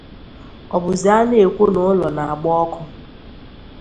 Ọ bụzị a na-ekwu na ụlọ na-agba ọkụ